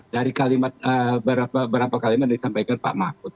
dari kalimat beberapa kalimat yang disampaikan pak mahfud